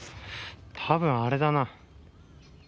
多分あれだな。